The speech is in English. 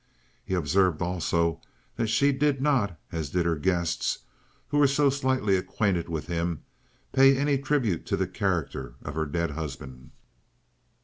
He observed also that she did not, as did her guests, who were so slightly acquainted with him, pay any tribute to the character of her dead husband.